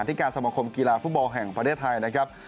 ที่การสมคมกีฬาฟุตบอลแห่งประเทศไทยนะครับ